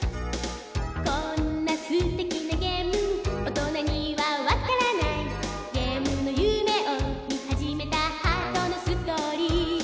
「こんなすてきなゲーム大人にはわからない」「ゲームの夢をみはじめたハートのストーリー」